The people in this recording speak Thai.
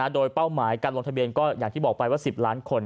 โดยเป้าหมายการลงทะเบียนก็อย่างที่บอกไปว่า๑๐ล้านคน